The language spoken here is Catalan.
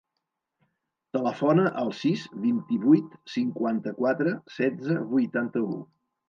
Telefona al sis, vint-i-vuit, cinquanta-quatre, setze, vuitanta-u.